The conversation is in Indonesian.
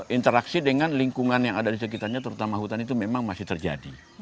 interaksi dengan lingkungan yang ada di sekitarnya terutama hutan itu memang masih terjadi